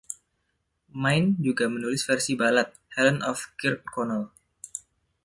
Mayne juga menulis versi balad, "Helen of Kirkconnel".